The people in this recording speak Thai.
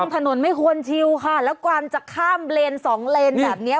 ถนนไม่ควรชิวค่ะแล้วความจะข้ามเลนสองเลนแบบเนี้ย